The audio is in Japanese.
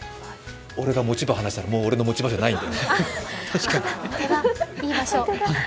俺の持ち場、離したたらもう俺の持ち場じゃないんだよ。